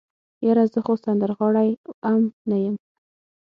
يره زه خو سندرغاړی ام نه يم.